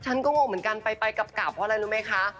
ฉันก็งงเหมือนกันไปกลับเพราะอะไรรู้ไหมคะ